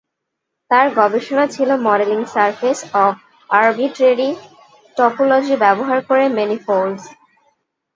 তার গবেষণা ছিল "modelling surface of arbitrary topology ব্যবহার করে ম্যানিফোল্ডস"।